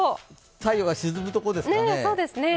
太陽が沈むところですかね。